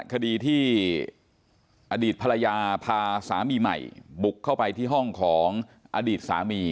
คดีที่อดีตภรรยาพาสามีใหม่บุกเข้าไปที่ห้องของอดีตสามี